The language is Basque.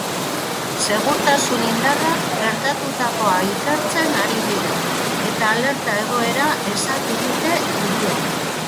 Segurtasun indarrak gertatutakoa ikertzen ari dira eta alerta egoera ezarri dute hirian.